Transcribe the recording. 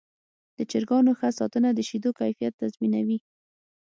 د چرګانو ښه ساتنه د شیدو کیفیت تضمینوي.